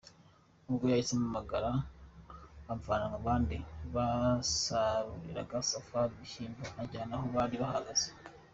Ubwo yahise ampamagara amvana mu bandi basaruriraga Safari ibishyimbo, anjyana aho bari bahagaze.